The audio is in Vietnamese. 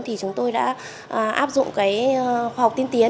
thì chúng tôi đã áp dụng cái khoa học tiên tiến